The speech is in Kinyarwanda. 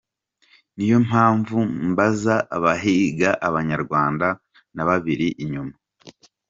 Niyo mpamvu mbaza abahiga Abanyarwanda n’ababari inyuma.